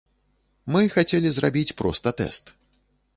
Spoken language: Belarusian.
Мы хацелі зрабіць проста тэст.